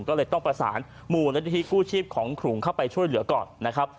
ก็เลยต้องประสานมูลนิธิกู้ชีพของขลุงเข้าไปช่วยเหลือก่อนนะครับ